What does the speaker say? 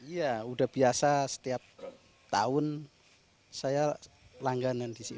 ya sudah biasa setiap tahun saya langganan di sini